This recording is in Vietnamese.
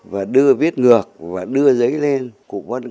và đưa viết ngược và đưa giấy lên để các bạn có thể nhìn thấy